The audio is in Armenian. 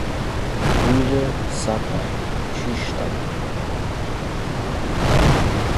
Հյուրը, սակայն, չի շտապում հեռանալ։